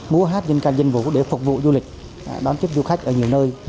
mua hát dân canh dân vũ để phục vụ du lịch đón chức du khách ở nhiều nơi